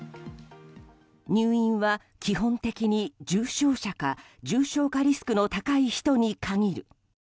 入院は基本的に重症者か重症化リスクの高い人に限る。